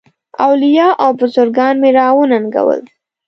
اولیاء او بزرګان مي را وننګول.